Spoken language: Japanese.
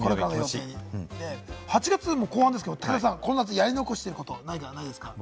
８月後半ですけれども、武田さん、この夏やり残していることないですか？